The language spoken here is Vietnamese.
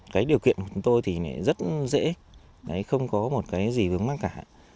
cái điều kiện của chúng tôi thì rất dễ không có một cái gì vướng mắc cả